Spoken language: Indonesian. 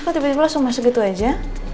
kok tiba tiba langsung masuk itu aja